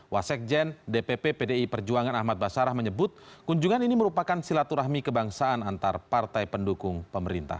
wasekjen dpp pdi perjuangan ahmad basarah menyebut kunjungan ini merupakan silaturahmi kebangsaan antar partai pendukung pemerintah